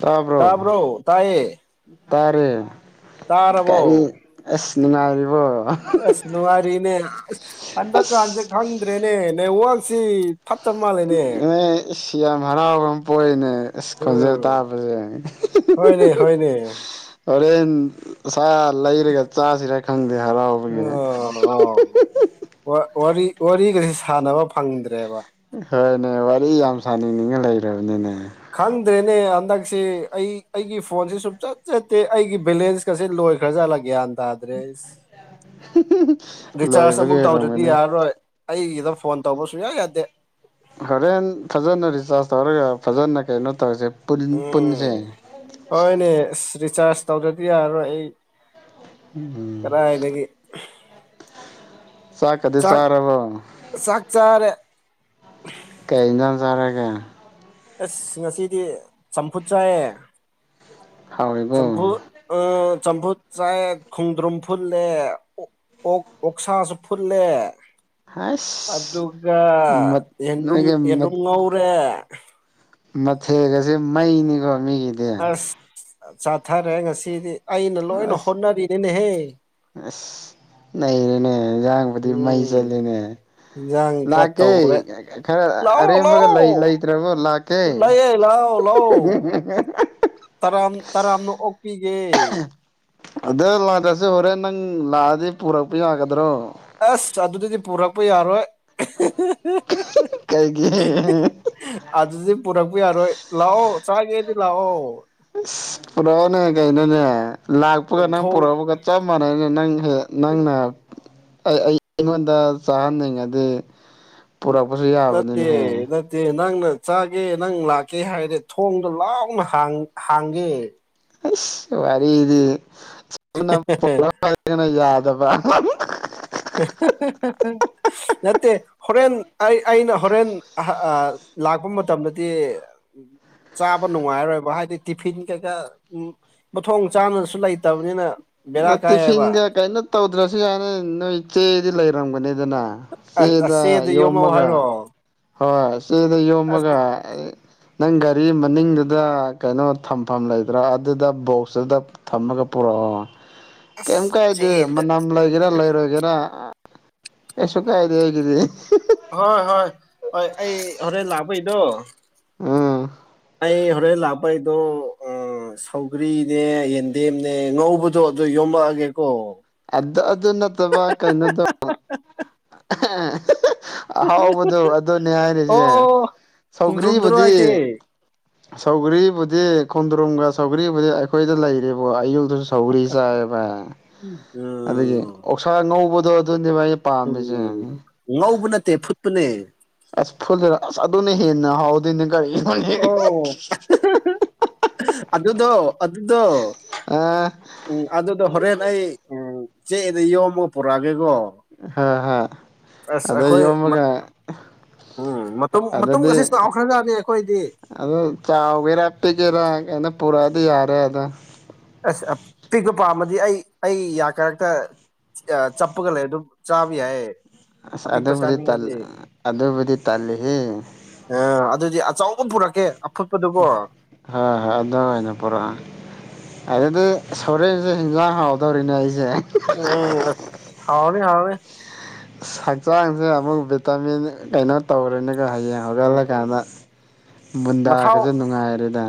ꯇꯕꯔꯣ ꯇꯥꯕ꯭ꯔꯣ ꯇꯥꯏꯌꯦ ꯇꯔꯦ ꯀꯔꯤ ꯇꯥꯔꯕꯣ ꯑꯁ ꯅꯨꯡꯉꯥꯏꯔꯤꯕꯣ ꯑꯁ ꯅꯨꯡꯉꯥꯏꯔꯤꯅꯦ ꯍꯟꯗꯛꯀꯥꯟꯖꯦ ꯈꯪꯗ꯭ꯔꯦꯅꯦ ꯅꯦꯋꯥꯛꯁꯤ ꯐꯠꯇ ꯃꯥꯜꯂꯦꯅꯦ ꯅꯣꯏ ꯏꯁ ꯌꯥꯝ ꯍꯔꯥꯎꯕꯃ ꯄꯣꯛꯏꯅꯦ ꯏꯁ ꯈꯣꯟꯖꯦꯜ ꯎꯝ ꯇꯥꯕꯖꯦ ꯍꯣꯏꯅꯦ ꯍꯣꯏꯅꯦ ꯍꯧꯔꯦꯟ ꯁꯥ ꯂꯩꯔꯒ ꯆꯥꯖꯤꯔꯥ ꯈꯪꯗꯦ ꯍꯔꯥꯎꯕꯒꯤꯅꯦ ꯑꯣꯍꯣ ꯋ ꯋꯥꯔꯤ ꯋꯥꯔꯤꯒꯁꯤ ꯁꯥꯟꯅꯕ ꯐꯪꯗ꯭ꯔꯦꯕ ꯍꯣꯏꯅꯦ ꯋꯥꯔꯤ ꯌꯥꯝ ꯁꯥꯅꯤꯡꯅꯤꯡꯉ ꯂꯩꯔꯕꯅꯤꯅꯦ ꯈꯪꯗ꯭ꯔꯦꯅꯦ ꯍꯟꯗꯛꯁꯤ ꯑꯩ ꯑꯩꯒꯤ ꯐꯣꯟꯖꯤ ꯁꯨꯝꯆꯠ ꯆꯠꯇꯦ ꯑꯩꯒꯤ ꯕꯦꯂꯦꯟꯁ ꯀꯖꯦ ꯂꯣꯏꯒ꯭ꯔꯖꯥꯠꯂ ꯒ꯭ꯌꯥꯟ ꯇꯥꯗ꯭ꯔꯦ ꯔꯤꯆꯥꯔꯖ ꯂꯣꯏꯕꯒꯤ ꯑꯃꯨꯛ ꯇꯧꯗ꯭ꯔꯗꯤ ꯑꯣꯏꯔꯝꯒꯅꯤ ꯌꯥꯔꯔꯣꯏ ꯑꯩꯒꯤꯗ ꯐꯣꯟ ꯇꯧꯕ ꯁꯨꯡꯌꯥ ꯌꯥꯗꯦ ꯍꯣꯔꯦꯟ ꯐꯖꯅ ꯔꯤꯆꯥꯔꯖ ꯇꯧꯔꯒ ꯐꯖꯅ ꯀꯩꯅꯣ ꯇꯧꯖꯦ ꯄꯨꯟ ꯄꯨꯟꯖꯦ ꯎꯝ ꯍꯣꯏꯅꯦ ꯑꯁ ꯔꯤꯆꯥꯔꯖ ꯇꯧꯗ꯭ꯔꯗꯤ ꯌꯥꯔꯔꯣꯏ ꯑꯩ ꯎꯝ ꯀꯗꯥꯏꯗꯒꯤ ꯆꯥꯛꯀꯗꯤ ꯆꯥꯛ ꯆꯥꯔꯕꯣ ꯆꯥꯛ ꯆꯥꯔꯦ ꯀꯩ ꯏꯟꯖꯥꯡ ꯆꯥꯔꯒꯦ ꯑꯁ ꯉꯁꯤꯗꯤ ꯆꯝꯐꯨꯠ ꯆꯥꯏꯌꯦ ꯍꯥꯎꯔꯤꯕꯣ ꯆꯝꯐꯨꯠ ꯑ ꯆꯝꯐꯨꯠ ꯆꯥꯏꯌꯦ ꯈꯣꯡꯗ꯭ꯔꯨꯝ ꯐꯨꯠꯂꯦ ꯑꯣ ꯑꯣꯛꯁꯥꯁꯨ ꯐꯨꯠꯂꯦ ꯍꯩꯁ ꯑꯗꯨꯒ ꯌꯦꯟꯗ꯭ꯔꯨꯝ ꯅꯣꯏꯒꯤ ꯌꯦꯟꯗ꯭ꯔꯨꯝ ꯉꯧꯔꯦ ꯃꯊꯦꯒꯖꯦ ꯃꯩꯅꯤꯀꯣ ꯃꯤꯒꯤ ꯑꯁ ꯆꯥꯊꯔꯦ ꯉꯁꯤꯗꯤ ꯑꯩꯅ ꯂꯣꯏꯅ ꯑꯁ ꯍꯣꯠꯅꯔꯤꯅꯤꯅꯦꯍꯦ ꯑꯁ ꯅꯩꯔꯦꯅꯦ ꯑꯦꯟꯖꯥꯡꯕꯨꯗꯤ ꯃꯩ ꯎꯝ ꯆꯠꯂꯦꯅꯦ ꯏꯟꯖꯥꯡ ꯈꯔ ꯂꯥꯛꯀꯦ ꯇꯧꯒꯔꯦ ꯈꯔ ꯂꯥꯛꯑꯣ ꯑꯔꯦꯝꯕꯒ ꯂꯥꯛꯑꯣ ꯂꯩ ꯂꯩꯇ꯭ꯔꯕꯣ ꯂꯥꯛꯀꯦ ꯂꯩꯌꯦ ꯂꯥꯛꯑꯣ ꯂꯥꯛꯑꯣ ꯇꯔꯥꯝ ꯇꯔꯥꯝꯅ ꯑꯣꯛꯄꯤꯒꯦ ꯑꯗ ꯂꯥꯠꯇꯔꯁꯨ ꯍꯣꯔꯦꯟ ꯅꯪ ꯂꯥꯛꯑꯗꯤ ꯄꯨꯔꯛꯄ ꯌꯥꯒꯗ꯭ꯔꯣ ꯑꯁ ꯑꯗꯨꯗꯗꯤ ꯄꯨꯔꯛꯄ ꯌꯥꯔꯣꯏ ꯀꯩꯒꯤ ꯑꯗꯨꯗꯤ ꯄꯨꯔꯛꯄ ꯌꯥꯔꯣꯏ ꯂꯥꯛꯑꯣ ꯆꯥꯒꯦꯗꯤ ꯂꯥꯛꯑꯣ ꯑꯁ ꯄꯨꯔꯛꯑꯣꯅꯦ ꯀꯩꯅꯣꯅꯦ ꯂꯥꯛꯄꯒ ꯅꯪ ꯊꯣꯡ ꯄꯨꯔꯛꯕꯒ ꯆꯞ ꯃꯥꯅꯩꯅꯦ ꯅꯪ ꯍꯦꯛ ꯅꯪꯅ ꯑꯩ ꯑꯩ ꯑꯩꯉꯣꯟꯗ ꯆꯥꯍꯟꯅꯤꯡꯉꯗꯤ ꯄꯨꯔꯛꯄꯁꯨ ꯌꯥꯕꯅꯤꯅꯦꯍꯦ ꯗꯦ ꯅꯪꯅ ꯆꯥꯒꯦ ꯅꯪ ꯂꯥꯛꯀꯦ ꯍꯥꯏꯔꯗꯤ ꯊꯣꯡꯗꯣ ꯂꯥꯎꯅ ꯍꯥꯡ ꯍꯥꯡꯒꯦ ꯑꯩꯁ ꯋꯥꯔꯤꯗꯤ [unintelligible] ꯌꯦꯅ ꯌꯥꯗꯕ ꯅꯠꯇꯦ ꯍꯣꯔꯦꯟ ꯑꯩ ꯑꯩꯅ ꯍꯣꯔꯦꯟ ꯑꯍ ꯑ ꯂꯥꯛꯄ ꯃꯇꯝꯗꯗꯤ ꯆꯥꯕ ꯅꯨꯡꯉꯥꯏꯔꯔꯣꯏꯕ ꯍꯥꯏꯗꯤ ꯇꯤꯐꯤꯟ ꯀꯩꯀꯥ ꯎꯝ ꯃꯊꯣꯡ ꯆꯥꯟꯅꯁꯨ ꯂꯩꯇꯕꯅꯤꯅ ꯕꯦꯔꯥ ꯅ ꯀꯥꯏꯌꯦꯕ ꯇꯤꯐꯤꯟꯒ ꯀꯩꯅꯣ ꯇꯧꯗ꯭ꯔꯁꯨ ꯌꯥꯅꯤ ꯅꯣꯏ ꯆꯦꯗꯤ ꯂꯩꯔꯝꯒꯅꯤꯗꯅ ꯑꯁ ꯑꯁ ꯆꯦꯗ ꯌꯣꯝꯃꯧ ꯌꯣꯝꯃꯒ ꯍꯥꯏꯔꯣ ꯍꯣꯏ ꯆꯦꯗ ꯑꯁ ꯌꯣꯝꯃꯒ ꯅꯪ ꯒꯥꯔꯤ ꯃꯅꯤꯡꯗꯨꯗ ꯀꯩꯅꯣ ꯊꯝꯐꯝ ꯂꯩꯗ꯭ꯔꯥ ꯑꯗꯨꯗ ꯕꯣꯛꯁꯇꯨꯗ ꯇꯃꯒ ꯄꯨꯔꯛꯑꯣ ꯀꯩꯝ ꯑꯁ ꯀꯥꯏꯗꯦ ꯆꯦꯗ ꯃꯅꯝ ꯂꯩꯒꯦꯔꯥ ꯂꯩꯔꯣꯏꯒꯦꯔꯥ ꯀꯩꯁꯨ ꯀꯥꯏꯗꯦ ꯑꯩꯒꯤꯗꯤ ꯍꯣꯏ ꯍꯣꯏ ꯍꯣꯏ ꯑꯩ ꯍꯣꯔꯦꯟ ꯂꯥꯛꯕꯩꯗꯣ ꯎꯝ ꯑꯩ ꯍꯣꯔꯦꯟ ꯂꯥꯛꯄꯩꯗꯣ ꯑ ꯑ ꯁꯧꯒ꯭ꯔꯤꯅꯦ ꯌꯦꯟꯗꯦꯝꯅꯦ ꯉꯧꯕꯗꯣ ꯑꯗꯨ ꯌꯣꯝꯂꯛꯑꯒꯦꯀꯣ ꯑꯗꯨ ꯑꯗꯨ ꯅꯠꯇꯕ ꯀꯩꯅꯣꯗꯣ [unintelligible] ꯑꯍꯥꯎꯕꯗꯣ ꯑꯗꯨꯅꯦ ꯑꯣ ꯍꯥꯏꯔꯤꯁꯦ ꯑꯣ ꯈꯣꯡꯗ꯭ꯔꯨꯝꯗꯨꯔꯣ ꯁꯧꯒ꯭ꯔꯤꯕꯨꯗꯤ ꯍꯥꯏꯁꯦ ꯁꯧꯒꯔꯤꯕꯨꯗꯤ ꯈꯣꯟꯗ꯭ꯔꯣꯝꯒ ꯁꯧꯒ꯭ꯔꯤꯕꯨꯗꯤ ꯑꯩꯈꯣꯏꯗ ꯂꯩꯔꯤꯕꯔꯤꯕꯣ ꯑꯌꯨꯜꯗꯁꯨ ꯁꯧꯒꯔꯤ ꯆꯥꯏꯕ ꯑꯗꯒꯤ ꯎꯝ ꯑꯣꯛꯁꯥ ꯉꯧꯕꯗꯣ ꯑꯗꯨꯅꯦꯕ ꯑꯩ ꯎꯝ ꯄꯥꯝꯃꯤꯁꯦ ꯉꯧꯕ ꯅꯠꯇꯦ ꯐꯨꯠꯄꯅꯦ ꯑꯁ ꯐꯨꯜ ꯑꯗꯨꯅꯅꯦ ꯍꯦꯟꯅ ꯍꯥꯎꯗꯨꯏꯅꯦ ꯇꯟꯅꯦ ꯀꯔꯤꯅꯣꯅꯦ ꯑꯣ ꯑꯗꯨꯗꯣ ꯑꯗꯨꯗꯣ [unintelligible] ꯎꯝ ꯑꯗꯨꯗꯣ ꯍꯣꯔꯦꯟ ꯑꯩ ꯎꯝ ꯆꯦꯛꯑꯅ ꯌꯣꯝꯃꯒ ꯄꯨꯔꯛꯑꯒꯦꯀꯣ ꯍꯥ ꯍ ꯑꯁ ꯑꯗꯩ ꯑꯩꯈꯣꯏ ꯌꯣꯝꯃꯒ ꯎꯝ ꯃꯇꯨꯝ ꯃꯇꯨꯡꯒ ꯑꯁꯤꯁꯨ ꯆꯥꯎꯥꯎꯈ꯭ꯔꯖꯥꯠꯅꯤ ꯑꯩꯈꯣꯏꯗꯤ ꯑꯗꯣ ꯆꯥꯎꯒꯦꯔꯥ ꯄꯤꯛꯒꯦꯔꯥ ꯀꯩꯅꯣ ꯄꯨꯔꯛꯑꯗꯤ ꯌꯥꯔꯦꯗ ꯑꯁ ꯑꯄꯤꯛꯄ ꯄꯥꯝꯃꯗꯤ ꯑꯩ ꯑꯩ ꯌꯥ ꯀꯔꯛꯇ ꯆꯄꯒ ꯂꯩꯌꯦ ꯑꯗꯨ ꯆꯥꯕꯌꯥꯏꯌꯦ ꯑꯁ ꯑꯗꯨꯕꯨꯗꯤ ꯑꯗꯨꯕꯨꯗꯤ ꯇꯜꯂꯦꯍꯦ ꯑ ꯑꯗꯨꯗꯤ ꯑꯆꯧꯕ ꯄꯨꯔꯛꯀꯦ ꯑꯐꯨꯠꯄꯗꯨꯀꯣ ꯍꯥꯥ ꯍ ꯑꯗꯨ ꯑꯣꯏꯅ ꯄꯨꯔꯛꯑꯣ ꯑꯗꯨꯗꯤ ꯍꯣꯔꯦꯟꯁꯦ ꯍꯤꯡꯖꯥꯡ ꯍꯥꯎꯗꯧꯔꯤꯅꯦ ꯑꯩꯁꯦ ꯎꯝ ꯍꯥꯎꯔꯅꯤ ꯍꯥꯎꯔꯅꯤ ꯍꯛꯆꯥꯡꯁꯦ ꯑꯃꯨꯛ ꯚꯤꯇꯥꯃꯤꯟ ꯀꯩꯅꯣ ꯇꯧꯔꯨꯅꯤꯀꯣ ꯍꯥꯌꯦ ꯎꯝ ꯍꯧꯒꯠꯂꯀꯥꯟꯗ ꯃꯊꯥꯎ ꯃꯨꯟꯗꯥꯒꯁꯨ ꯅꯨꯡꯉꯥꯏꯔꯦꯗ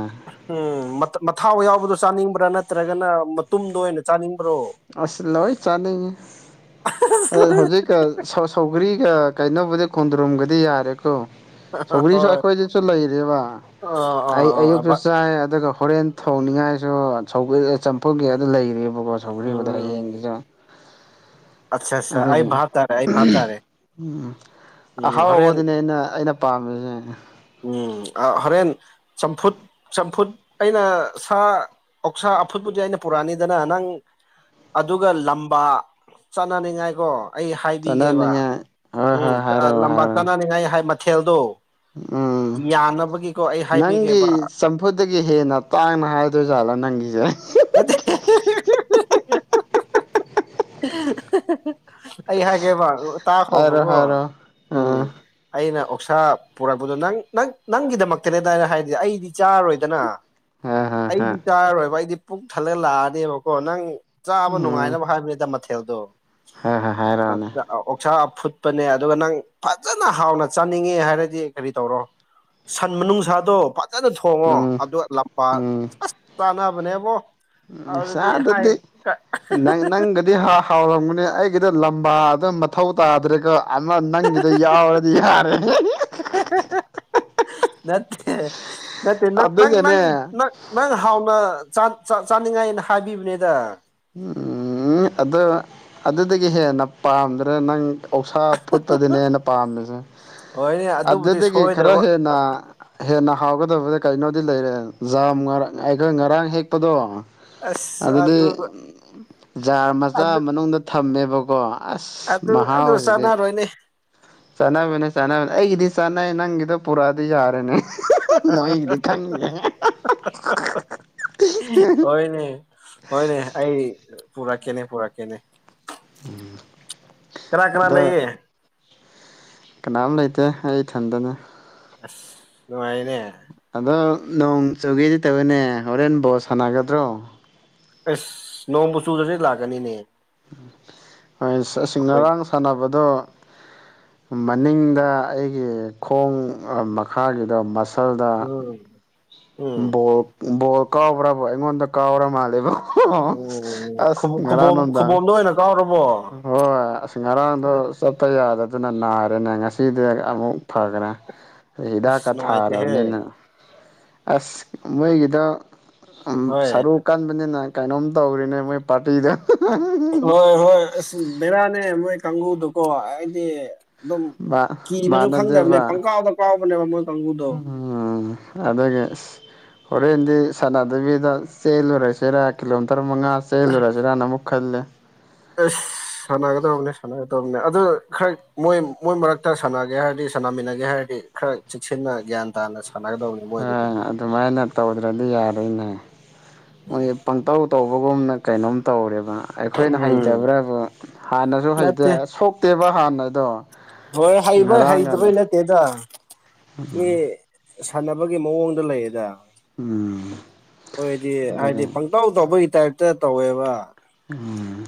ꯎꯝ ꯃꯊꯥꯎ ꯌꯥꯎꯕꯗꯣ ꯆꯥꯅꯤꯡꯕ꯭ꯔꯥ ꯅꯠꯇ꯭ꯔꯒꯅ ꯃꯇꯨꯝꯗ ꯑꯣꯏꯅ ꯆꯥꯅꯤꯡꯕ꯭ꯔꯣ ꯑꯁ ꯂꯣꯏ ꯆꯥꯅꯤꯡꯉꯤ ꯑ ꯍꯧꯖꯤꯛ ꯁꯧꯒ꯭ꯔꯤꯒ ꯀꯩꯅꯣꯕꯨꯗꯤ ꯈꯣꯟꯗ꯭ꯔꯨꯝꯒꯗꯤ ꯌꯥꯔꯦꯀꯣ ꯁꯧꯒ꯭ꯔꯤꯁꯨ ꯍꯣꯏ ꯑꯩꯈꯣꯏꯗꯁꯨ ꯂꯩꯔꯕ ꯑꯥ ꯑꯥ ꯑꯩꯌꯨꯛꯁꯨ ꯑꯥ ꯆꯥꯏ ꯑꯗꯨꯒ ꯍꯣꯔꯦꯟ ꯊꯣꯡꯅꯤꯡꯉꯥꯏꯁꯨ ꯁꯧꯒ ꯆꯝꯐꯨꯒꯤ ꯑꯗꯨ ꯂꯩꯑꯕꯀꯣ ꯁꯧꯒꯔꯤꯕꯨꯗꯤ ꯎꯝ ꯍꯌꯦꯡꯒꯤꯁꯨ ꯑꯠꯆꯥ ꯑꯠꯆꯥ ꯑꯩ ꯑꯗꯨꯗꯒꯤ ꯚꯥꯞ ꯇꯥꯔꯦ ꯑꯩ ꯚꯥꯞ ꯇꯥꯔꯦ ꯎꯝ ꯎꯝ ꯍꯣꯔꯦꯟ ꯑꯍꯥꯎꯕꯗꯨꯅꯦ ꯑꯩꯅ ꯄꯥꯝꯃꯤꯁꯦ ꯎꯝ ꯍꯣꯔꯦꯟ ꯆꯝꯐꯨꯠ ꯆꯝꯐꯨꯠ ꯑꯩꯅ ꯁꯥ ꯑꯣꯛꯁꯥ ꯑꯐꯨꯠꯄꯨꯗꯤ ꯑꯩꯅ ꯄꯨꯔꯛꯅꯤꯗꯅ ꯅꯪ ꯑꯗꯨꯒ ꯂꯝꯕꯥ ꯆꯠꯅꯅꯤꯡꯉꯥꯏꯀꯣ ꯑꯩ ꯍꯥꯏꯕꯤꯒꯦꯕ ꯆꯥꯅꯅꯤꯡꯉꯥꯏ ꯍꯣꯏ ꯎꯝ ꯍꯣꯏ ꯍꯥꯏꯔꯛꯑꯣ ꯂꯝꯕꯥ ꯍꯥꯏꯔꯛꯑꯣ ꯆꯥꯅꯅꯤꯡꯉꯥꯏ ꯃꯊꯦꯜꯗꯣ ꯎꯝ ꯌꯥꯅꯕꯒꯤꯀꯣ ꯑꯩ ꯍꯥꯏꯕꯤꯒꯦꯕ ꯆꯝꯐꯨꯗꯒꯤ ꯍꯦꯟꯅ ꯇꯥꯡꯅ ꯍꯥꯏꯗꯣꯏꯖꯥꯠꯂꯣ ꯅꯪꯒꯤꯁꯦ [unintelligible] ꯑꯩ ꯍꯥꯏꯦꯕ ꯍꯥꯏꯔꯣ ꯇꯥꯈꯕꯒꯣ ꯍꯥꯏꯔꯣ ꯎꯝ ꯑꯥ ꯑꯩꯅ ꯑꯣꯛꯁꯥ ꯄꯨꯔꯛꯄꯗꯣ ꯅꯪ ꯅꯪ ꯅꯪꯒꯤꯗꯃꯛꯇꯅꯦꯗ ꯑꯩꯅ ꯍꯥꯏꯔꯤꯗꯤ ꯑꯩꯗꯤ ꯆꯥꯔꯔꯣꯏꯗꯅ ꯍ ꯍ ꯍ ꯑꯩꯗꯤ ꯆꯥꯔꯔꯣꯏꯕ ꯑꯩꯗꯤ ꯄꯨꯛ ꯊꯜꯂ ꯂꯥꯛꯑꯅꯦꯕꯀꯣ ꯅꯪ ꯆꯥꯕ ꯎꯝ ꯅꯨꯡꯉꯥꯏꯅꯕ ꯍꯥꯏꯕꯅꯤꯗ ꯃꯊꯦꯜꯗꯣ ꯍ ꯍ [unintelligible] ꯍꯥꯏꯔꯛꯑꯣꯅꯦ ꯑ ꯑꯣꯛꯁꯥ ꯐꯨꯠꯄꯅꯦ ꯑꯗꯨꯒ ꯅꯪ ꯐꯖꯅ ꯍꯥꯎꯅ ꯆꯥꯅꯤꯡꯉꯦ ꯍꯥꯏꯔꯗꯤ ꯀꯔꯤ ꯇꯧꯔꯣ ꯁꯟ ꯃꯅꯨꯡꯁꯥꯗꯣ ꯐꯖꯅ ꯊꯣꯡꯉꯣ ꯎꯝ ꯑꯗꯨꯒ ꯂꯝꯕꯥ ꯑꯁ ꯆꯥꯟꯅꯕꯅꯦꯕꯣ ꯎꯝ ꯁꯥ ꯑꯗꯨꯗꯤ ꯅꯪ ꯅꯪ ꯗꯤ ꯍꯥꯎ ꯍꯥꯎꯔꯝꯒꯅꯦ ꯑꯩꯒꯤꯗꯣ ꯂꯝꯕꯥꯗ ꯃꯊꯧ ꯇꯥꯗ꯭ꯔꯒ ꯑꯃ ꯅꯪꯒꯤꯗꯣ ꯌꯥꯎꯔꯗꯤ ꯌꯥꯔꯦ ꯅꯠꯇꯦ ꯅꯠꯇꯦ ꯅꯪ ꯅꯪ ꯑꯗꯨꯒꯅꯦ ꯅꯪ ꯅꯪ ꯅꯪ ꯍꯥꯎꯅ ꯆꯥ ꯆꯥꯅꯤꯡꯉꯥꯏꯅ ꯍꯥꯏꯕꯤꯕꯅꯦꯗ ꯎꯝ ꯑꯗꯣ ꯑꯗꯨꯗꯒꯤ ꯍꯦꯟꯅ ꯄꯥꯝꯗ꯭ꯔꯦ ꯅꯪ ꯑꯣꯛꯁꯥ ꯐꯨꯠꯄꯗꯨꯅꯦ ꯍꯦꯟꯅ ꯄꯥꯝꯃꯤꯁꯦ ꯍꯣꯏꯅꯦ ꯑꯗꯨꯕꯨꯗꯤ ꯑꯗꯨꯗꯒꯤ ꯈꯔ ꯁꯣꯏꯗ꯭ꯔꯕ ꯍꯦꯟꯅ ꯍꯦꯟꯅ ꯍꯥꯎꯒꯗꯕꯗ ꯀꯩꯅꯣꯗꯤ ꯂꯩꯔꯦ ꯖꯥꯝ ꯉ ꯑꯩꯈꯣꯏ ꯉꯔꯥꯡ ꯍꯦꯛꯄꯗꯣ ꯑꯁ ꯑꯗꯨ ꯑꯗꯨꯗꯤ ꯖꯥꯔ ꯃꯆꯥ ꯑꯗꯨ ꯃꯅꯨꯡꯗ ꯊꯝꯃꯦꯕꯀꯣ ꯑꯁ ꯑꯗꯨ ꯑꯗꯨ ꯃꯍꯥꯎꯁꯤꯗꯤ ꯆꯥꯟꯅꯔꯣꯏꯅꯦ ꯆꯥꯟꯅꯕꯅꯦ ꯆꯥꯟꯅꯕꯅꯦ ꯑꯩꯒꯤꯗꯤ ꯆꯥꯟꯅꯩ ꯅꯪꯒꯤꯗ ꯄꯨꯔꯛꯑꯗꯤ ꯌꯥꯔꯦꯅꯦ ꯅꯣꯏꯒꯤꯗꯤ ꯈꯪꯗꯦ ꯍꯣꯏꯅꯦ ꯍꯣꯏꯅꯦ ꯑꯩ ꯄꯨꯔꯛꯀꯦꯅꯦ ꯄꯨꯔꯛꯀꯦꯅꯦ ꯎꯝ ꯀꯅꯥ ꯀꯅꯥ ꯂꯩꯌꯦ ꯀꯅꯥꯝ ꯂꯩꯇꯦ ꯑꯩ ꯏꯊꯟꯗꯅꯦ ꯑꯁ ꯅꯨꯡꯉꯥꯏꯅꯦ ꯑꯗꯣ ꯅꯣꯡ ꯆꯨꯒꯦꯗꯤ ꯇꯧꯏꯅꯦ ꯍꯣꯔꯦꯟ ꯕꯣꯜ ꯁꯥꯟꯅꯒꯗ꯭ꯔꯣ ꯑꯁ ꯅꯣꯡꯕꯨ ꯆꯨꯗ꯭ꯔꯗꯤ ꯂꯥꯛꯀꯅꯤꯅꯦ ꯑꯁ ꯑꯁꯤ ꯑꯩꯈꯣꯏ ꯉꯔꯥꯡ ꯁꯥꯟꯅꯕꯗꯣ ꯃꯅꯤꯡꯗ ꯑꯩꯒꯤ ꯈꯣꯡ ꯃꯈꯥꯒꯤꯗ ꯃꯁ ꯎꯝ ꯎꯝ ꯕꯣꯜ ꯕꯣꯜ ꯀꯥꯎꯕ꯭ꯔꯕ ꯑꯩꯉꯣꯟꯗ ꯀꯥꯎꯔ ꯃꯥꯜꯂꯦꯕ ꯑꯣ ꯎꯝ ꯑꯁ ꯉꯔꯥꯡ ꯈꯨꯕꯣꯝ ꯅꯨꯡꯗꯥꯡ ꯈꯨꯕꯣꯝꯗ ꯀꯥꯎꯔꯕꯣ ꯍꯣꯏ ꯑꯁ ꯉꯔꯥꯡꯗꯣ ꯑꯁ ꯆꯠꯄ ꯌꯥꯗꯗꯅ ꯅꯥꯔꯦꯅꯦ ꯉꯁꯤꯗꯤ ꯑꯃꯨꯛ ꯐꯈ꯭ꯔꯦ ꯑ ꯑꯁ ꯍꯤꯗꯥꯛꯀ ꯅꯨꯡꯉꯥꯏꯇꯦꯍꯦ ꯊꯥꯔꯕꯅꯤꯅ ꯑꯁ ꯃꯣꯏꯒꯤꯗꯣ ꯎꯝ ꯍꯣꯏ ꯁꯔꯨꯛ ꯀꯟꯕꯅꯤꯅ ꯀꯩꯅꯣꯝ ꯇꯧꯔꯤꯅꯦ ꯃꯣꯏ ꯄꯥꯔꯇꯤꯗꯣ ꯍꯣꯏ ꯍꯣꯏ ꯑꯁ ꯕꯦꯔꯥꯅꯦ ꯃꯣꯏ ꯀꯥꯡꯕꯨꯗꯨꯀꯣ ꯍꯥꯏꯗꯤ ꯑꯗꯨꯝ ꯃꯥ ꯀꯤꯕꯁꯨ ꯈꯪꯗꯕꯅꯦ ꯃꯥꯟꯅꯗꯦꯕ ꯄꯪꯀꯥꯎꯗ ꯀꯥꯎꯕꯅꯦꯕ ꯃꯣꯏ ꯀꯥꯡꯕꯨꯗꯣ ꯎꯝ ꯑꯗꯨꯒꯤ ꯑꯁ ꯍꯣꯔꯦꯟꯗꯤ ꯁꯅꯥꯗꯕꯤꯗ ꯆꯦꯜꯂꯨꯔꯁꯤꯔꯥ ꯀꯤꯂꯣꯃꯤꯇꯔ ꯃꯉꯥ ꯆꯦꯜꯂꯨꯔꯁꯤꯔꯅ ꯑꯃꯨꯛ ꯈꯜꯂꯦ ꯑꯩꯁ ꯁꯥꯟꯅꯒꯗꯕꯅꯦ ꯁꯥꯟꯅꯒꯗꯕꯅꯦ ꯑꯗꯨ ꯈꯔ ꯃꯣꯏ ꯃꯣꯏ ꯃꯔꯛꯇ ꯁꯥꯟꯅꯒꯦ ꯍꯥꯏꯔꯗꯤ ꯁꯥꯟꯅꯃꯤꯟꯅꯒꯦ ꯍꯥꯏꯔꯗꯤ ꯈꯔ ꯆꯦꯛꯁꯤꯟꯅ ꯒ꯭ꯌꯥꯟ ꯇꯥꯅ ꯁꯥꯟꯅꯒꯗꯧꯕꯅꯤ ꯃꯣꯏꯗꯗꯤ ꯑꯥ ꯑꯗꯨꯃꯥꯏꯅ ꯇꯧꯗ꯭ꯔꯗꯤ ꯌꯥꯔꯣꯏꯅꯦ ꯃꯣꯏ ꯄꯪꯇꯧ ꯇꯧ ꯕꯒꯨꯝꯅ ꯀꯩꯅꯣꯝ ꯇꯧꯔꯦꯕ ꯑꯩꯈꯣꯏꯅ ꯎꯝ ꯍꯩꯇꯕ꯭ꯔꯕꯨ ꯍꯥꯟꯅꯁꯨ ꯍꯩꯇꯦ ꯅꯠꯇꯦ ꯁꯣꯛ ꯇꯦꯕ ꯍꯥꯟꯅꯗꯣ ꯍꯣꯏ ꯍꯩꯕꯩ ꯉꯔꯥꯡꯒ ꯍꯩꯇꯕꯩ ꯅꯠꯇꯦꯗ ꯃꯤ ꯁꯥꯟꯅꯕꯒꯤ ꯃꯑꯣꯡꯗ ꯂꯩꯌꯦꯗ ꯎꯝ ꯑꯩꯈꯣꯏꯗꯤ ꯍꯥꯏꯗꯤ ꯑꯗꯨꯒꯤ ꯄꯡ ꯇꯧ ꯇꯧꯕꯒꯤ ꯇꯥꯏꯞꯇ ꯇꯧꯋꯦꯕ ꯎꯝ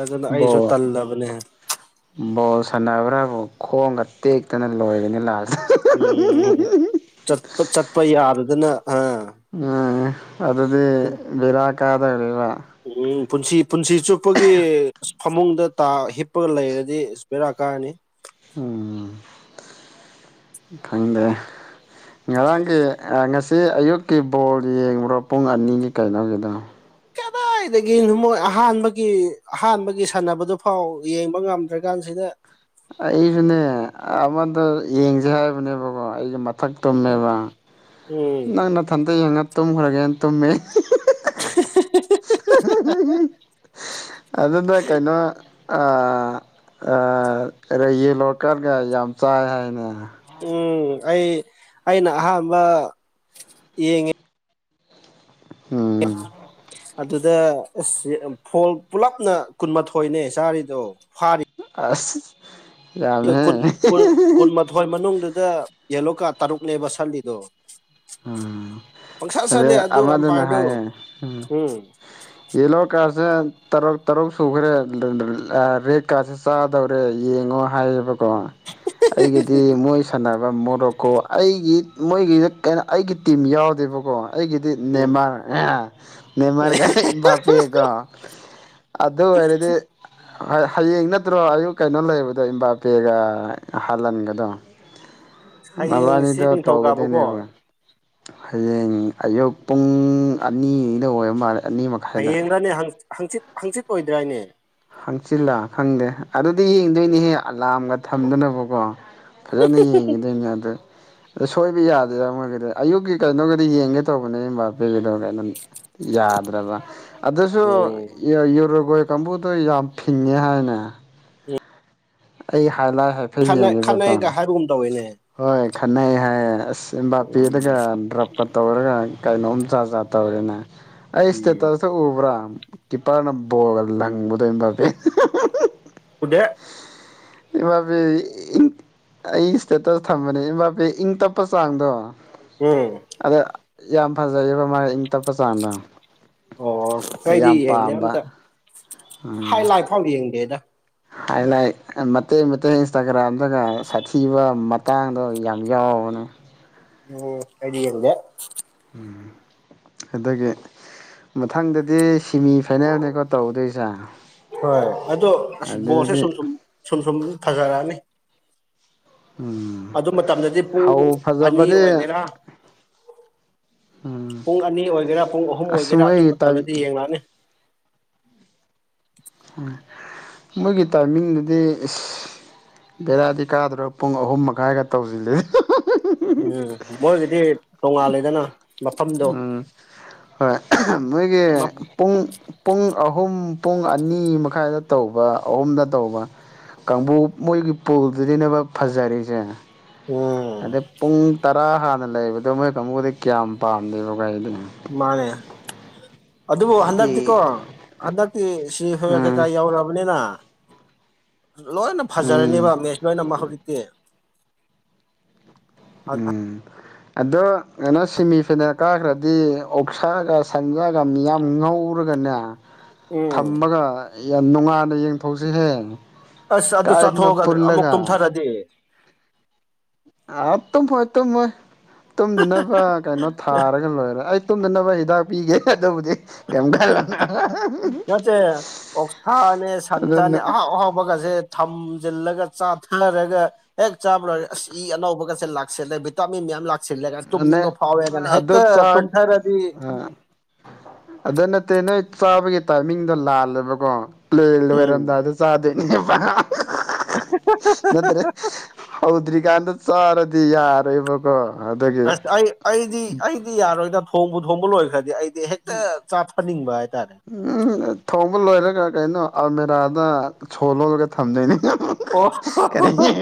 ꯑꯗꯨꯅ ꯑꯩꯁꯨ ꯇꯜꯂꯕꯅꯦ ꯕꯣꯜ ꯁꯥꯟꯅꯕ꯭ꯔꯥꯕꯨ ꯈꯣꯡꯒ ꯇꯦꯛꯇꯅ ꯂꯣꯏꯒꯅꯤ ꯂꯁ ꯎꯝ ꯆꯠꯄ ꯆꯠꯄ ꯌꯥꯗꯗꯅ ꯑ ꯎꯝ ꯑꯗꯨꯗꯤ ꯕꯤꯔꯥꯀꯥꯗꯣꯏ ꯔꯤꯔꯥ ꯎꯝ ꯄꯨꯟꯁꯤ ꯄꯨꯟꯁꯤ ꯆꯨꯞꯄꯒꯤ ꯐꯃꯨꯡꯗ ꯇꯥ ꯍꯤꯞꯄꯒ ꯂꯩꯔꯗꯤ ꯕꯦꯔꯥ ꯀꯥꯅꯤ ꯎꯝ ꯈꯪꯗꯦ ꯉꯔꯥꯡꯒꯤ ꯑ ꯉꯁꯤ ꯑꯌꯨꯛꯀꯤ ꯕꯣꯜ ꯌꯦꯡꯕ꯭ꯔꯣ ꯄꯨꯡ ꯑꯅꯤꯒꯤ ꯀꯩꯅꯣꯒꯤꯗꯣ ꯀꯗꯥꯏꯗꯒꯤꯅꯣ ꯃꯣꯏ ꯑꯍꯥꯟꯕꯒꯤ ꯑꯍꯥꯟꯕꯒꯤ ꯁꯥꯟꯅꯕꯗꯨꯐꯥꯎ ꯌꯦꯡꯕ ꯉꯝꯗ꯭ꯔꯀꯥꯟꯁꯤꯗ ꯑꯩꯁꯨꯅꯦ ꯑꯃꯗ ꯌꯦꯡꯁꯦ ꯍꯥꯏꯕꯅꯦꯕꯀꯣ ꯑꯩꯁꯦ ꯃꯠ ꯃꯊꯛ ꯇꯨꯝꯃꯦꯕ ꯎꯝ ꯅꯪ ꯅꯊꯟꯇ ꯌꯦꯡꯉ ꯇꯨꯝꯈ꯭ꯔꯒꯦꯅ ꯇꯨꯝꯃꯦ ꯑꯗꯨꯅ ꯀꯩꯅꯣ ꯑꯥ ꯑꯥ ꯌꯦꯂꯣ ꯀꯥꯔꯗꯀꯥ ꯌꯥꯝ ꯆꯥꯏ ꯍꯥꯏꯅꯦ ꯎꯝ ꯑꯩ ꯑꯩꯅ ꯑꯍꯥꯝꯕ ꯌꯦꯡꯉꯦ [inaudible] ꯑꯣ ꯑꯗꯨꯗ ꯑꯁ ꯐꯣꯜ ꯄꯨꯂꯞꯅ ꯀꯨꯟꯃꯥꯊꯣꯏꯅꯦ ꯆꯥꯔꯤꯗꯣ ꯐꯥꯔꯤ ꯑꯁ ꯌꯥꯝꯃꯍꯦ ꯊꯣꯏ ꯃꯅꯨꯡꯗꯨꯗ ꯌꯦꯂꯣ ꯀꯥꯔꯗ ꯇꯔꯨꯛꯅꯦꯕ ꯁꯠꯂꯤꯗꯣ ꯎꯝ ꯀꯔꯤ ꯑꯗꯨ ꯑꯃꯗꯨꯅ ꯑꯝꯄꯥꯌꯔꯗꯨ ꯍꯥꯏꯌꯦ ꯎꯝ ꯌꯦꯜꯂꯣ ꯀꯥꯔꯗꯁꯦ ꯇꯔꯨꯛ ꯇꯔꯨꯛ ꯁꯨꯈ꯭ꯔꯦ ꯑꯥ ꯔꯦꯠ ꯀꯥꯔꯗꯁꯦ ꯆꯥ ꯗꯧꯔꯦ ꯌꯦꯡꯉꯣ ꯍꯥꯏꯌꯦꯕ ꯀꯣ ꯑꯩꯒꯤꯗꯤ ꯃꯣꯏ ꯁꯥꯟꯅꯕ ꯃꯣꯔꯣꯛꯀꯣ ꯑꯩꯒꯤ ꯃꯣꯏꯒꯤꯗ ꯀꯩꯅꯣ ꯑꯩꯒꯤ ꯇꯤꯝ ꯌꯥꯎꯗꯦꯕꯀꯣ ꯑꯩꯒꯤꯗꯤ ꯎꯝ ꯅꯦꯝꯃꯔ ꯅꯦꯝꯃꯔꯒ ꯕꯥꯄꯦꯒꯥ ꯑꯗꯨ ꯑꯣꯏꯔꯗꯤ ꯍꯌꯦꯡ ꯅꯠꯇ꯭ꯔꯣ ꯑꯌꯨꯛ ꯀꯩꯅꯣ ꯂꯩꯕꯗꯣ ꯏꯝꯕꯥꯄꯦꯒ ꯍꯂꯟꯒꯗꯣ ꯍꯌꯦꯡꯁꯤ ꯃꯕꯥꯅꯤꯗꯣ ꯅꯤꯡꯊꯧꯀꯥꯕꯀꯣ ꯇꯧꯒꯗꯣꯏꯅꯦꯕꯀꯣ ꯍꯌꯦꯡ ꯑꯌꯨꯛ ꯄꯨꯡ ꯑꯅꯤꯗ ꯑꯣꯏꯕ ꯃꯥꯜꯂꯦ ꯑꯅꯤꯃꯛ ꯍꯌꯦꯡꯔꯥꯅꯦ ꯍꯪꯆꯤꯠ ꯍꯪꯆꯤꯠ ꯑꯣꯏꯗ꯭ꯔꯥꯅꯦ ꯍꯪꯆꯤꯜꯂꯥ ꯈꯪꯗꯦ ꯑꯗꯨꯗꯤ ꯌꯦꯡꯗꯣꯏꯅꯤꯍꯦ ꯑꯂꯥꯝꯒ ꯊꯝꯗꯅꯕꯀꯣ ꯐꯖꯅ ꯌꯦꯡꯒꯤꯗꯣꯏꯅꯦ ꯑꯗꯨ ꯑ ꯁꯣꯏꯕ ꯌꯥꯗꯦꯕ ꯃꯣꯏꯒꯤꯗꯤ ꯑꯌꯨꯛꯀꯤ ꯀꯩꯅꯣꯒꯤꯗꯣ ꯌꯦꯡꯒꯦ ꯇꯧꯕꯅꯦ ꯏꯝꯕꯄꯦꯒꯤꯗꯣ ꯀꯩꯅꯣ ꯌꯥꯗ꯭ꯔꯕ ꯑꯗꯨꯁꯨ ꯎꯝ ꯌꯨꯔꯣꯒꯣꯏ ꯀꯥꯡꯕꯨꯗꯣ ꯌꯥꯝ ꯐꯤꯡꯉꯦ ꯍꯥꯏꯅꯦ ꯑꯩ ꯍꯥꯏꯂꯥꯏꯠ ꯍꯥꯏꯐꯦꯠ ꯌꯦꯡꯒꯦꯕꯀꯣ ꯍꯣꯏꯅꯦ ꯍꯣꯏ ꯈꯟꯅꯩ ꯍꯥꯏꯌꯦ ꯑꯁ ꯎꯝ ꯏꯝꯕꯥꯄꯤꯗꯒ ꯗ꯭ꯔꯞ ꯀ ꯇꯧꯔꯒ ꯀꯩꯅꯣꯝ ꯖꯠ ꯖꯠ ꯇꯧꯔꯦꯅꯦ ꯑꯩ ꯎꯝ ꯏꯁꯇꯦꯇ꯭ꯁꯇꯣ ꯎꯕ꯭ꯔꯥ ꯀꯤꯞꯄꯔꯅ ꯕꯣꯜꯒ ꯂꯪꯕꯗꯣ ꯏꯝꯕꯥꯄꯦ ꯎꯗꯦ ꯏꯝꯕꯥꯄꯦ ꯑꯩ ꯏꯁꯇꯦꯇꯁ ꯊꯝꯕꯅꯦ ꯏꯝ [unintelligible] ꯏꯪ ꯇꯞꯄ ꯆꯥꯡꯗꯣ ꯎꯝ ꯑꯗ ꯌꯥꯝ ꯐꯖꯩꯌꯦꯕ ꯃꯥ ꯏꯪ ꯇꯞꯄ ꯆꯥꯡꯗꯣ ꯑꯣ ꯑꯗ ꯈꯣꯢꯗꯤ ꯌꯥꯝ ꯌꯦꯡꯗꯦ ꯄꯥꯝꯕ ꯑꯝꯇ ꯍꯥꯏ ꯎꯝ ꯂꯥꯏꯠ ꯐꯥꯎ ꯌꯦꯡꯗꯦꯗ ꯍꯥꯏꯂꯥꯏꯠ ꯃꯇꯦꯛ ꯃꯇꯦꯛ ꯏꯟꯁꯇꯥꯒ꯭ꯔꯥꯝꯗꯒ ꯁꯥꯊꯤꯕ ꯃꯇꯥꯡꯗꯣ ꯌꯥꯝ ꯌꯥꯎꯕꯅꯦ ꯎꯝ ꯑꯩꯗꯤ ꯌꯦꯡꯗꯦ ꯎꯝ ꯑꯗꯒꯤ ꯃꯊꯪꯗꯗꯤ ꯁꯤꯃꯤ ꯐꯥꯏꯅꯦꯜꯅꯤꯀꯣ ꯇꯧꯒꯗꯣꯏꯁꯦ ꯍꯣꯏ ꯑꯗꯣ ꯑꯁ ꯕꯣꯜꯁꯦ ꯁꯨꯝ ꯁꯨꯝ ꯁꯨꯝ ꯁꯨꯝ [unintelligible] ꯔꯛꯑꯑꯅꯤ ꯎꯝ ꯑꯗꯨ ꯃꯇꯝꯗꯗꯤ ꯄꯨꯡ ꯍꯧ ꯑꯅꯤ ꯐꯖꯕꯗꯤ ꯑꯣꯏꯒꯦꯔꯥ ꯎꯝ ꯄꯨꯡ ꯑꯅꯤ ꯑꯣꯏꯒꯦꯔꯥ ꯄꯨꯡ ꯑꯍꯨꯝ ꯑꯁ ꯑꯣꯏꯒꯦꯔꯥ ꯑꯗꯨ ꯃꯣꯏꯒꯤ ꯇꯥꯏ ꯃꯇꯝꯗꯗꯤ ꯌꯦꯡꯂꯡꯑꯅꯤ ꯎꯝ ꯃꯣꯏꯒꯤ ꯇꯥꯏꯃꯤꯡꯗꯨꯗꯤ ꯏꯁ ꯕꯦꯔꯥꯗꯤ ꯀꯥꯗ꯭ꯔꯣ ꯄꯨꯡ ꯑꯍꯨꯝ ꯃꯈꯥꯏꯒ ꯇꯧꯖꯤꯜꯂꯦ [unintelligible] ꯎꯝ ꯃꯣꯢꯒꯤꯗꯤ ꯎꯝ ꯍꯣꯏ [unintelligible] ꯃꯣꯏꯒꯤ ꯄꯨꯡ ꯄꯨꯡ ꯑꯍꯨꯝ ꯄꯨꯡ ꯑꯅꯤ ꯃꯈꯥꯏꯗ ꯇꯧꯕ ꯑꯍꯨꯝꯗ ꯇꯧꯕ ꯀꯥꯡꯕꯨ ꯃꯣꯏꯒꯤ ꯄꯨꯜꯗꯨꯗꯤꯅꯦꯕ ꯐꯖꯔꯤꯁꯦ ꯎꯝ ꯑꯗꯩ ꯄꯨꯡ ꯇꯔꯥ ꯍꯥꯟꯅ ꯂꯩꯕꯗꯣ ꯃꯣꯏ ꯀꯥꯡꯕꯨꯗꯤ ꯀꯌꯥꯝ ꯄꯥꯝꯗꯦꯕ ꯒꯥꯔꯤꯗꯨ ꯃꯥꯅꯦ ꯑꯗꯨꯕꯨ ꯍꯥꯏꯗꯤ ꯍꯟꯗꯛꯇꯤꯀꯣ ꯍꯟꯗꯛꯇꯤ ꯁꯤ ꯍꯦꯟ ꯀꯩꯀꯥ ꯎꯝ ꯌꯎꯔꯕꯅꯤꯅ ꯂꯣꯏꯅ ꯐꯖꯔꯅꯤꯕ ꯎꯝ ꯃꯦꯁ ꯂꯣꯏꯅꯃꯛ ꯍꯧꯖꯤꯛꯇꯤ ꯎꯝ ꯑꯗꯣ ꯀꯩꯅꯣ ꯁꯦꯃꯤꯐꯥꯏꯅꯦꯜ ꯀꯥꯈ꯭ꯔꯗꯤ ꯑꯣꯛꯁꯥꯒ ꯁꯟꯖꯥꯒ ꯃꯤꯌꯥꯝ ꯉꯧꯔꯒꯅꯦ ꯎꯝ ꯊꯝꯃꯒ ꯌꯥꯝ ꯅꯨꯡꯉꯥꯏꯅ ꯌꯦꯡ [unintelligible] ꯍꯧꯖꯤ ꯍꯦ ꯀꯥꯏꯗꯅꯣ ꯄꯨꯜꯂꯒ ꯑꯗꯤ ꯑꯥ ꯇꯨꯝꯃꯣꯏ ꯇꯨꯝꯃꯣꯏ ꯇꯨꯝꯗꯅꯕ ꯀꯩꯅꯣ ꯊꯥꯔꯒ ꯂꯣꯏꯔꯦ ꯑꯩ ꯇꯨꯝꯗꯅꯕ ꯍꯤꯗꯥꯛ ꯄꯤꯒꯦ ꯑꯗꯨꯕꯨꯗꯤ ꯀꯩꯝ ꯈꯜꯂꯨꯅꯨ [unintelligible] ꯅꯠꯇꯦ ꯑꯣꯛꯁꯥꯅꯦ ꯁꯟꯁꯅꯦ ꯑꯍꯥꯎ ꯑꯗꯨꯅꯦ ꯑꯍꯥꯎꯕꯒꯁꯦ ꯊꯝꯖꯤꯜꯂꯒ ꯆꯥꯊꯔꯒ ꯍꯦꯛ ꯆꯥꯕ ꯂꯣꯏꯔ ꯑꯁ ꯏ ꯑꯅꯧꯕꯒꯁꯦ ꯂꯥꯛꯁꯤꯂꯦ ꯚꯤꯇꯥꯃꯤꯟ ꯃꯌꯥꯝ ꯂꯥꯛ ꯁꯤꯜꯂꯦ ꯀꯅ ꯇꯨꯝꯅꯤꯡꯕ ꯐꯥꯎꯋꯦ ꯀꯅ ꯑꯗꯨ ꯍꯦꯛꯇ ꯆꯥꯛ ꯇꯨꯝꯊꯔꯗꯤ ꯑ ꯑꯗꯨ ꯅꯠꯇꯦ ꯅꯣꯏ ꯆꯥꯕꯒꯤ ꯇꯥꯏꯃꯤꯡꯗꯣ ꯂꯥꯜꯂꯦꯕꯀꯣ ꯄ꯭ꯂꯦ ꯂꯣꯢ ꯎꯝ ꯂꯣꯏꯔꯝꯗꯥꯏꯗ ꯆꯥꯗꯣꯏꯅꯦꯕ [unintelligible] ꯅꯠꯇ꯭ꯔꯦ ꯍꯧꯗ꯭ꯔꯤꯀꯥꯟꯗ ꯆꯥꯔꯗꯤ ꯌꯥꯔꯣꯏꯕꯀꯣ ꯑꯗꯨꯒꯤ ꯑꯁ ꯑꯩ ꯑꯩꯗꯤ ꯑꯩꯗꯤ ꯌꯥꯔꯣꯏꯗ ꯊꯣꯡꯕꯨ ꯊꯣꯡꯕ ꯂꯣꯏꯈ꯭ꯔꯗꯤ ꯑꯩꯗꯤ ꯍꯦꯛꯇ ꯆꯥꯊꯟꯅꯤꯡꯕ ꯍꯥꯏꯇꯥꯔꯦ ꯎꯝ ꯊꯣꯡꯕ ꯂꯣꯏꯔꯒ ꯀꯩꯅꯣ ꯑꯜꯃꯦꯔꯥꯗ ꯁꯣ ꯂꯣꯜꯂꯒ ꯊꯝꯗꯣꯏꯅꯤ [unintelligible] ꯑꯣ ꯀꯔꯤ [unintelligible]